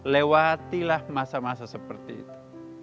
lewatilah masa masa seperti itu